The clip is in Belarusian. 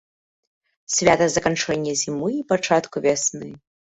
Свята заканчэння зімы і пачатку вясны.